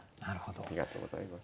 ありがとうございます。